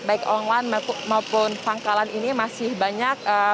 baik online maupun pangkalan ini masih banyak